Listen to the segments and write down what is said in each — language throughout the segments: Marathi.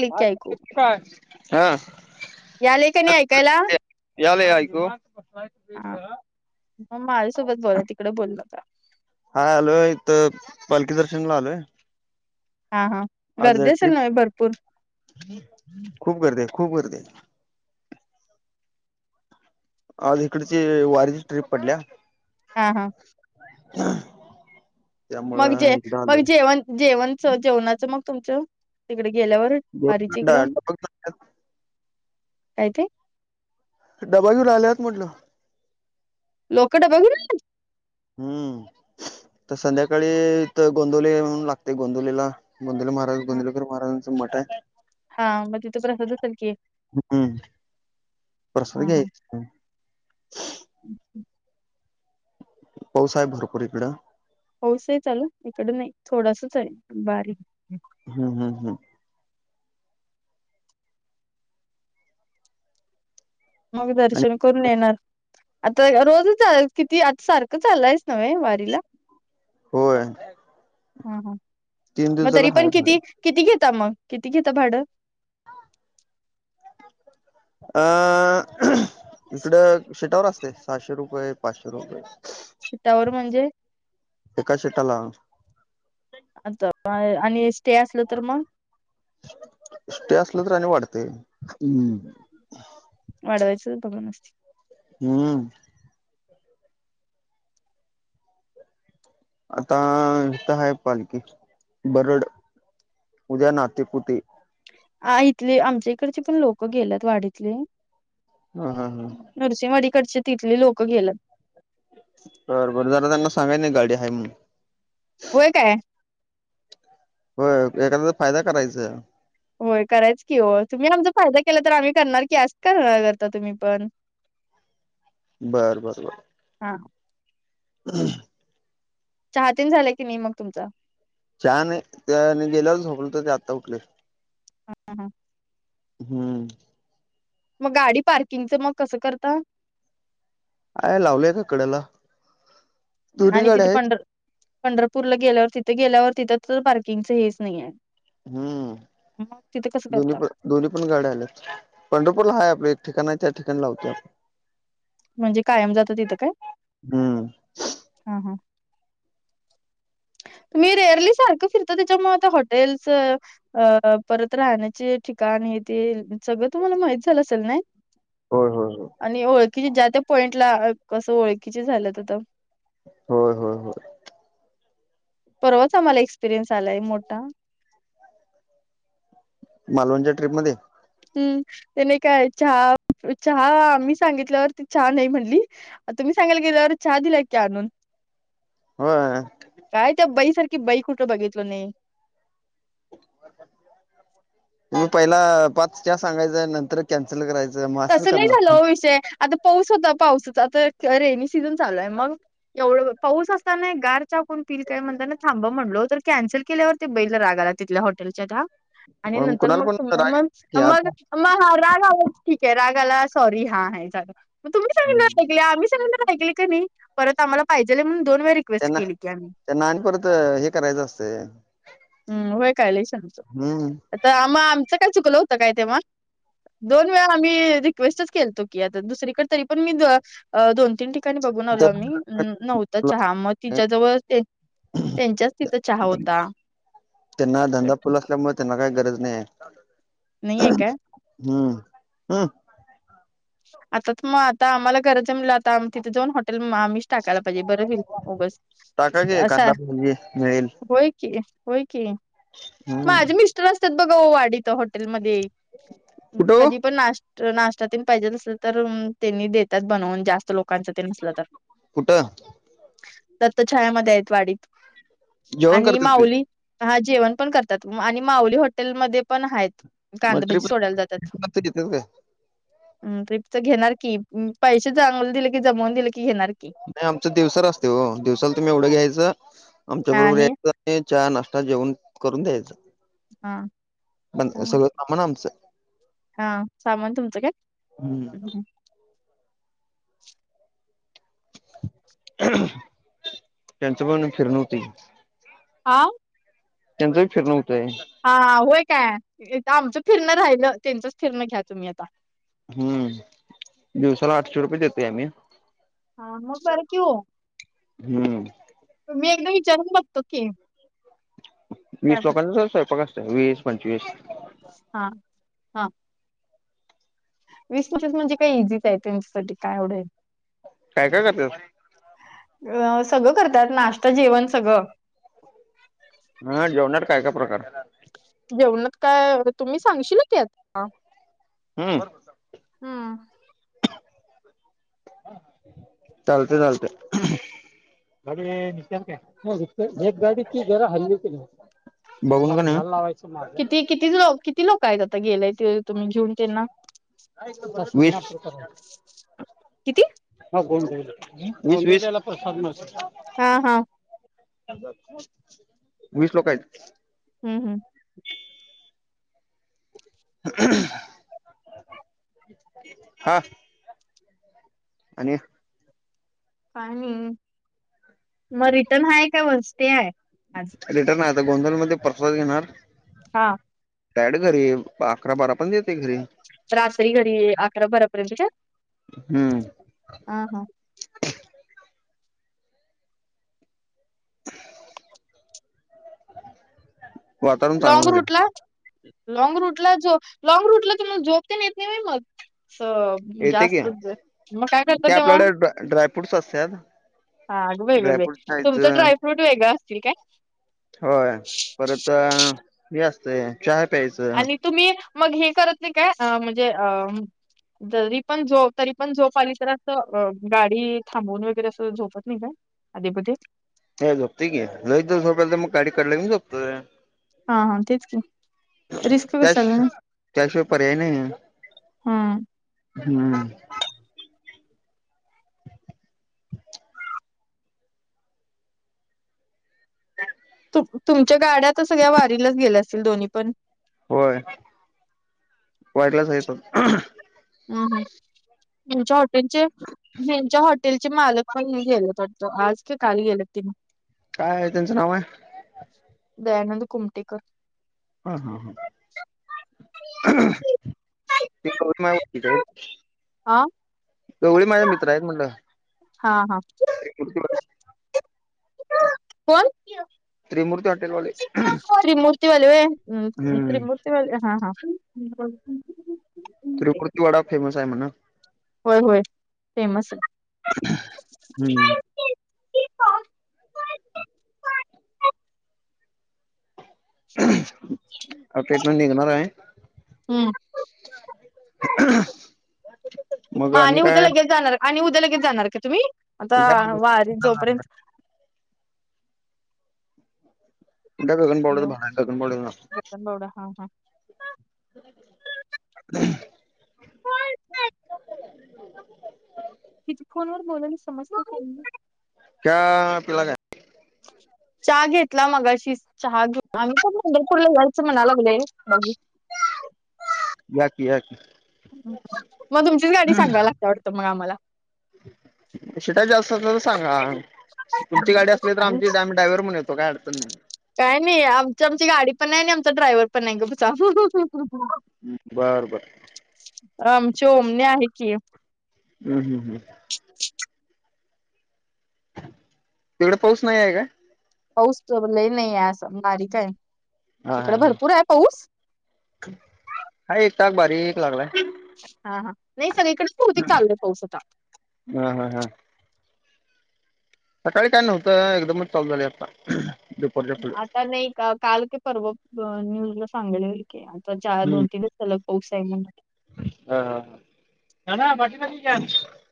आली की ऐकू [unintelligible] हा याले त्यानी ऐकायला? यालय ऐकू? हा, मग माझ्यासोबत बोला तिकडं बोलु नका. हा हॅलो! इथं पालखी दर्शन ला आलोय. हा हा आज गर्दी हाय असेल ट्रिप, ना भरपूर खूप गर्दी हाय खूप गर्दी हाय. आज हिकडची, वारीची ट्रीप पडल्या. हा हा हा [unintelligible] मग जे मग जेव जेवण जेवणच जेवणाचं मग तुमचं, तिकडे गेल्यावर? वारी च्या ईकडं, डबा काय ते? डबा घेऊन आल्यात म्हटलं. लोक डबा घेऊन [unintelligible] आला पाघूर [unintelligible] हम्म, तर संध्याकाळी तर गोंदवले हुन लागते गोंदवलेला. गोंदवले महाराज, गोंदलकर महाराजांचं मठ आहे. हा मग तिथ प्रसाद असल कि? हम्म हं हं ह. हं. पाऊस आहे भरपूर इकडं. पाऊस आहे चालू, इकड नाही थोडासच आहे, बारीक. हम्म हम्म हम्. मग आणि दर्शन करून येणार, आता रोजच आहे. किती, आज सारखं चालंयस नव्हे वारीला? होय. हम्म हम्म तीन मग दिवसाला तरी हाय पण भाड किती, किती घेता मग, किती घेता भाडं? अं, इकड शीटावर असते, सहाशे रुपये, पाचशे रुपये शिटावर म्हणजे? एका शिटाला आता [unintelligible] आणि स्टे असलं तर मग? स्टे असलं तर आणि वाढतय, हम्म. वाढवायच बघून [unintelligible] अंसते. हम्. आता इथं आहे पालखी, बरड उद्या नातेपुते. आ इथले आमच्या इकडचे पण लोक गेलेत वाडीतले. हं हं हं. नरसिंह वाडीकडचे तिथले लोक गेलत. बर जरा त्यांना सांगाय ना, गाडी आहे म्हणून. व्हय काय? व्हय एखादयाचा फायदा करायचा. व्हय करायच की हो, तुम्ही आमचा फायदा केला तर आम्ही करणार की, अस काय करता तुम्ही पण. बर बर बर. हा. ह [unintelligible] चहा तीन झालंय की मी मग तुमचा? चहा नई, त्या गेल्यावरच झोपलतो ते आत्ता उठलोय. हम्म हं. हम्म. मग गाडी पार्किंगचं मग कसं करता? आहे लावलंय का कडेला. आणि तिथ पंढर पंढरपूरला गेल्यावर, तिथं गेल्यावर तिथं तर पार्किंगच हेच नाही आहे. हम्म, मग तिथं कसं दोन्ही करता पण दोन्ही पण गाड्या आल्यात, पंढरपूरला हाय आपलं एक ठिकाण आहे, त्या ठिकाणी लावतो आपण. म्हणजे कायम जात तिथं काय? हम्म हा हा. [inaudible] तुम्ही रेअरली सारखं फिरता, त्याच्यामुळे आता हॉटेल्सच अ परत राहण्याचे ठिकाण हे ते सगळं तुम्हाला माहित झालं असेल नाय? होय होय हो. आणि ओळखीचे ज्या त्या पॉईंटला कसं ओळखीचे झाल्यात आता. होय हो हो परवाच आम्हाला एक्सपिरियन्स आलाय मोठा मालवणच्या ट्रीपमध्ये हम्म ते नाही काय चहा चहा आम्ही सांगितल्यावर ती चहा नाही म्हणली तुम्ही सांगाल गेल्यावर चहा दिलाय की आणून होय काय त्या बईसारखी बई कुठं बघितलं नाही तुम्ही पहिला पाच च्या सांगायचंय नंतर कॅन्सल करायचं मग असंच तसं नाही झालं करणार ओ विषय आत्ता पाऊस होता पाऊसाचा तर रेनी सीझन चालू आहे मग एवढं पाऊस असताना गार आपण पील काय म्हणताना ना थांब म्हणलो तर कॅन्सल केल्यावरती ते बै ला रागाला तिल्या हॉटेलच्या हा आणि नंतर कुणाला मग पण तु राग मग की आता मग मग हा राग आहो ठीक आहे रागाला सॉरी हा आहे झाग म तुम्ही सांगाना ऐक आम्ही सांगना ऐकले का नाही परत आम्हाला पाहिजे म्हणून दोन वेर क्वेस्ट त्यांना केली काय त्यांना आणि परत हे करायचं असते हम् होय काय लय शां हम्म आ आम् आमच काय चुकलं होतं काय तेव्हा दोन वेळा आम्ही रिक्वेस्टच केलतो की आता दुसरीकडे तरी पण मी दोन तीन ठी काणी बघून आल मी तर नव्हतं चहा मग तिच्या जवळ त्यांच्याच तिथं चहा होता त्यांना धंदा फुल असल्यामुळे त्यांना काही गरज नाही नाही आहे आहे काय? हम्म हम् आता मग आता आम्हाला गरज आहे म्हणाल्यावर आता आ तिथे जाऊन हॉटेल आमही टाकायला पाहिजे बरं व्हील गस टाका की असा कांदा भजी मिळेल होय की होय की हम्म माझे मिस्टर असतात बघा वाडीतहॉटेलमध्ये कुठं ओ कधी पण नाश नाश्ता तेन पाहिजेल तर त्यांनी देतात बनवून जास्त लोकांच तेन आसलं तर कुठं दत्तछायामध्ये आहेत वाडीत जेवण आणि करतात काय माऊली हा जेवण पण करतात आणि माऊली हॉटेलमध्ये पण आहेत कांदभजी सोडायला जातात तिथच काय हम ट्रिपच घेणार की पैसे चांगलं दिले की जमवून दिले की घेणार की नाही आमचं दिवसाल असते हो दिवसालला तुम्ही एवढं घ्यायचं आमच्या बरोबर आणि यायचं चहा नाश्ता जेवण करून द्यायच हा पण सगळं सामान आमचं हा सामान तुमचं काय हम्म त्यांच पण फिरन होती हा त्यांच भी फिरणं होतय हा होय काय आमचं फिरणं राहिलं त्यांचच फिरणं घ्या तुम्ही आता हम्म दिवसाला आठशे रुपये देतय आम्ही हा मग बरं की हो हम्म मी एकदा विचारून बघतो की वीस काय लोकांचा स्वयंपाक असत वीस पंचवीस हा हा वीस पचस म्हणजे काय इझीच आहे त्यांच्यासाठी काय एव्हढ काय काय करत्यात अ सगळं करतात नाश्त जेवण सगळं ह जेवणाात काय काय प्रकार जेवणात काय तुम्ही सांगशीला ते असेल, हम्म हम चालतंय चालतंय अगचान काय एक गाडीची जरा हल्ली ती बघू नका नेघ, किती किती किती लोक काय तता गेलंय ते तुम्ही घेऊन त्यांना वीस किती ह् बोल भाई शिसवी च्याला प्रसाद मिळतो, हा हा वीस लोक आहेत हम् हम [unintelligible] हा आणि काय नाही मग रिटर्न आहेय काय वस्ती आहे आज रिटर्न आहे आता गोंधल मध्ये प्रसाद घेणार हा बॅड घरी अकरा बारा पण येतंय घरी रात्री घरी अकरा बारा पर्यंत का हम्म हा हा, [unintelligible] वातावरण चांगलं लॉग झालंय. रूट ला लॉंग रूट ला जो लॉग रूट ला तुमला झोप तेन येत नाही मग स येते जास्तच मग काय करता तेव्हा डाय फ्रूट्स असत्यात, हा अगं बाई बाई ड्रायफ्रूट तुमचं खायचं ड्रायफ्रूट वेगळं असतील काय, होय परत हे असतय चहा प्यायचं आणि तुम्ही मग हे करत नाही काय म्हणजे अ जरी पण जो तरी पण झोप आली तर असं गाडी थांबवून वगैरे अस झोपत नाही का आधी मधी हे झोपतोय की लईच जर झोप यायली तर मग गाडी कढला घेऊन झोपतोय, हा हा तेच की रिस्क त्या कशाला नाही त्याशिवाय पर्याय नाही हम्म. हम्म तुमच्या गाड्या तर सगळ्या वारीलाच गेल्या असतील दोन्ही पण होय वारीलाच आहेत बघ ह्म ह्म तूमच्या हाॅटेलचे यांच्या हाॅटेलचे टेलचे मालक पण गेलेत वाटतं आज काय काल गेलेतं काय आहे त्यांचं नाव आहे? दयानंद कुमटेकर, हा हा हा ते [inaudible] आहेत आ? एवढं माझे मित्र आहेत म्हणलं हा हा एक मुड कोण त्रिमूर्ती हॉटेलवाले. त्रिमूर्ती वाले होय हम्म त्रिमूर्ती वाले हा हा बोल कि त्रिमूर्ती वडा फेमस आहे म्हणा होय होय फेमस आहे हम्म [unintelligible] अ ट्रीटमेंट निघणार आहे हम्म [unintelligible] मग आणि उद्या काय लगेच जाणार आणि उद्या लगेच जाणार का तुम्ही आता उद्या वारी जोपर्यंत [unintelligible] बडा हा हा. ह ईथ फोन वर बोलायली समजत [unintelligible] त्या तुला काय? चहा घेतला मगाशीच. चहा घेऊन. आम्ही पण पंंढरपूरला यायचं म्हणाय लागलोय बघू. याकी. याकी. मग तुमचीच गाडी सांगाय लागतीया वाटतं मग आम्हाला. शिटा जास्त असल तर सांगा. तुमची गाडी असली तर आमची डॅम ड्रायव्हर म्हणून येतो. काय अडचण नाही. काय नाही. आमची आमची गाडी पण नाही आणि आमचा ड्रायव्हर पण नाही. बर बर. आमची ओमनी आहे की. हम हम हम. तिकडे पाऊस नाही आहे का? पाऊस [unintelligible] लय नाहीय आस बारीकय. हा हा हा हा. एक ताक बारी लागलाय. हा हा. नाही सगळीकडे बहुतेक चालू आहे पाऊस आता. हम हा हा. सकाळी काय नव्हतं. एकदमच चालू झाले आत्ता. आता नाही का? काल की परवा न्यूजला सांगयले की आता च दोन तीन दि -सलग पाऊस आहे म्हणून. ह ह ह ह.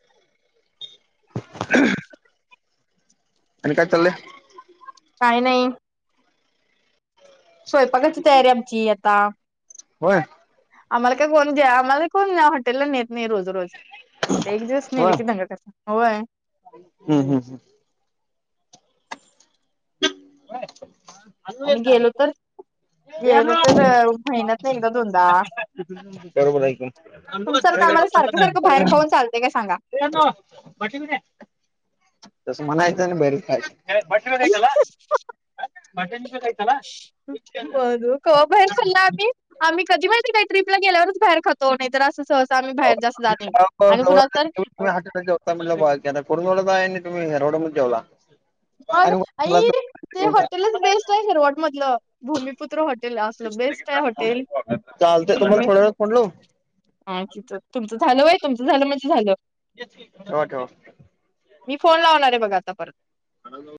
ह आणि काय चाललं? काही नाही. स्वयंपाकाची तयारी आमची आता. होय? आमला का [unintelligible] द्या आमला कोण [unintelligible] त्याला नेत नाही रोज रोज. एक दिवस नेले की दंगा करतो. होय. हम् हम् हम्. काय आम्ही गेलो तर- गेलो तर महिन्यात ना एकदा दोनदा बरोबर तुमच्यासारखं आहे आम्हाला सारखं सारखं बाहेर खाऊन चालतंय काय सांगा. [unintelligible] [inaudible] तस मला [unintelligible] त्याला [unintelligible] होय. बाई कवा बाहीर खाल्लं आम्ही? आम्ही कधी माहिती काय? ट्रीपला गेल्यावरच बाहेर खातो नाही तर असं- सहसा आम्ही बाहेर जास्त जात नाही. आणि पुन्हा तर- तुम्ही [unintelligible] मग आई ते आणि हॉटेलच बेस्ट आहे. हेरवाड मधलं. भूमिपुत्र हॉटेल असलं बेस्ट आहे हॉटेल. चालतंय तुम्हाला आम्ही- थोड्या वेळात फोन लावू ह तिथं. तुमचं झालं व्हयं? तुमचं झालं म्हणजे झालं. ठेवा. ठेवा. मी फोन लावणार आहे बघ आता परत. हॅलो.